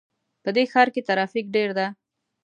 په دې ښار کې ترافیک ډېر ده